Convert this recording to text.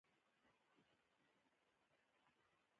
آیا کاناډا د پاکولو خدمات نلري؟